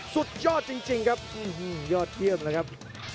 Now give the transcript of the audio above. สุดยอดจริงครับยอดเยี่ยมนะครับ